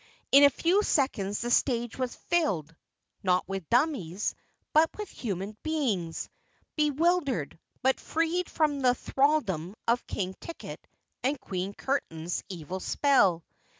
In a few seconds the stage was filled not with dummies but with human beings, bewildered, but freed from the thralldom of King Ticket and Queen Curtain's evil spell.